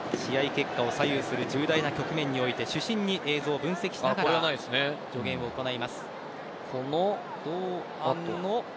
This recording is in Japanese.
結果を左右する重大な局面において主審に映像を分析しながら助言を行います。